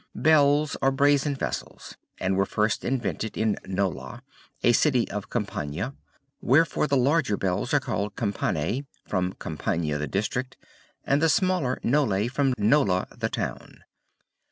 "Bells are brazen vessels, and were first invented in Nola, a city of Campania. Wherefore the larger bells are called Campanae, from Campania the district, and the smaller Nolae, from Nola the town.